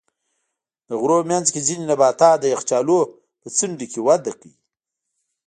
د غرونو منځ کې ځینې نباتات د یخچالونو په څنډو کې وده کوي.